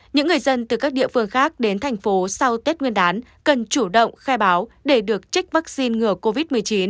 những người dân từ các địa phương khác đến thành phố sau tết nguyên đán cần chủ động khai báo để được trích vaccine ngừa covid một mươi chín